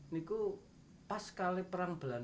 saya pas sekali perang belakang